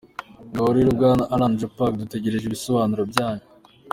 Ngaho rero Bwana Alain Jupé, dutegereje ibisobanuro byanyu !